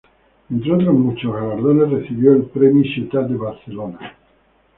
Entre otros muchos galardones recibió el Premi Ciutat de Barcelona.